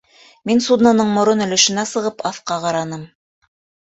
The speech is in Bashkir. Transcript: Мин, судноның морон өлөшөнә сығып, аҫҡа ҡараным.